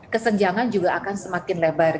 kesenjangan juga akan semakin lebar